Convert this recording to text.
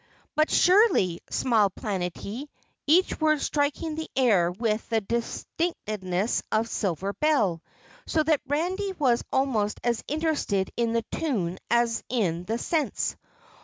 "But surely," smiled Planetty, each word striking the air with the distinctness of a silver bell, so that Randy was almost as interested in the tune as in the sense.